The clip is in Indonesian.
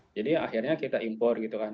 jadi akhirnya kita impor gitu kan